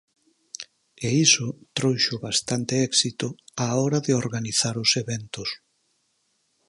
E iso trouxo bastante éxito á hora de organizar os eventos.